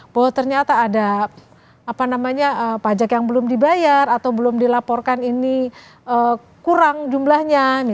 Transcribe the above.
bahwa ternyata ada pajak yang belum dibayar atau belum dilaporkan ini kurang jumlahnya